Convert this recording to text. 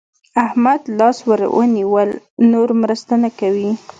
احمد لاس ور ونيول؛ نور مرسته نه کوي.